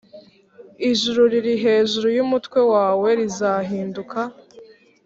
ijuru riri hejuru y’umutwe wawe rizahinduka